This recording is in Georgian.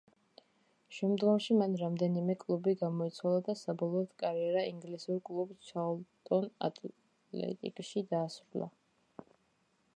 შემდგომში მან რამდენიმე კლუბი გამოიცვალა და საბოლოოდ კარიერა ინგლისურ კლუბ ჩარლტონ ატლეტიკში დაასრულა.